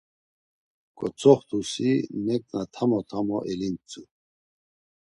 K̆otzoxt̆usi, neǩna tamo tamo elintzu.